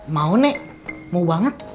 mau nek mau banget